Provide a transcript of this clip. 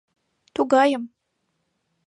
Тугайым!